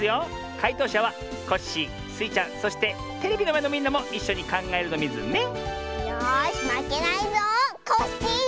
かいとうしゃはコッシースイちゃんそしてテレビのまえのみんなもいっしょにかんがえるのミズね。よしまけないぞコッシー！